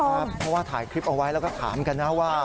เพราะว่าถ่ายคลิปเอาไว้แล้วก็ถามกันนะว่า